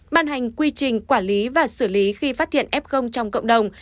ban hành quy trình quản lý và xử lý khi phát hiện f trong cộng đồng